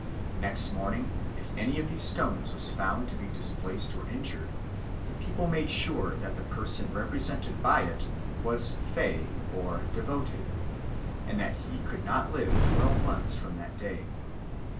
Next morning, if any of these stones was found to be displaced or injured, the people made sure that the person represented by it was fey or devoted, and that he could not live twelve months from that day.